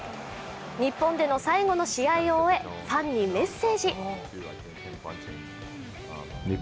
日本での最後の試合を終えファンにメッセージ。